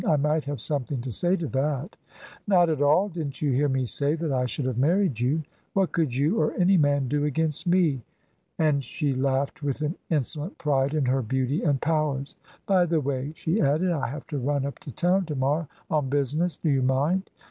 "I might have something to say to that." "Not at all. Didn't you hear me say that I should have married you. What could you or any man do against me?" and she laughed with an insolent pride in her beauty and powers. "By the way," she added, "I have to run up to town to morrow on business. Do you mind?"